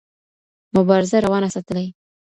مبارزه روانه ساتلې.